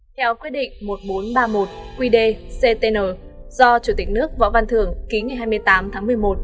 theo quyết định một nghìn bốn trăm ba mươi một qd ctn do chủ tịch nước võ văn thường ký ngày hai mươi tám tháng một mươi một